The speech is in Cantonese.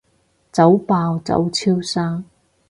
早爆早超生